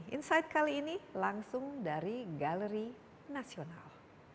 insight kali ini langsung dari galeri nasional